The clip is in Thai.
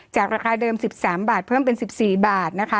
ราคาเดิม๑๓บาทเพิ่มเป็น๑๔บาทนะคะ